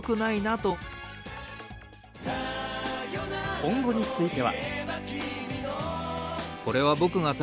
今後については。